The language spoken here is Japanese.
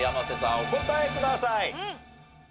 お答えください。